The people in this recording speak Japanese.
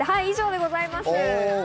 以上でございます。